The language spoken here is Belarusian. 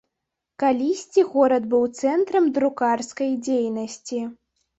Калісьці горад быў цэнтрам друкарскай дзейнасці.